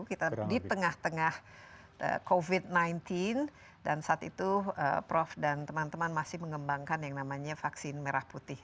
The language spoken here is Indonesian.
kita di tengah tengah covid sembilan belas dan saat itu prof dan teman teman masih mengembangkan yang namanya vaksin merah putih